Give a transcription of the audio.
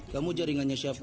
kamu jaringannya siapa